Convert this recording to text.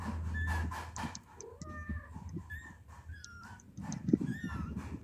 维勒雷人口变化图示